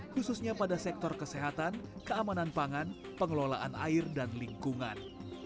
khususnya pada sektor kesehatan keamanan pangan pengelolaan air dan lingkungan